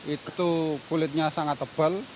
itu kulitnya sangat tebal